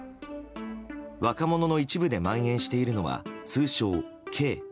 若者の一部で蔓延しているのは通称Ｋ。